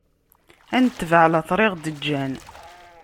Ad netbeɛ lateṛ i ɣ-d-ğğan.